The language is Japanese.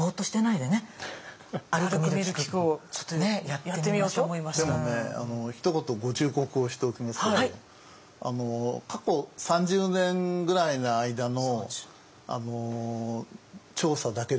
でもねひと言ご忠告をしておきますけど過去３０年ぐらいの間の調査だけでは面白くならないと思います。